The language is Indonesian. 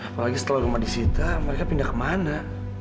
apalagi setelah rumah di sita mereka pindah kemana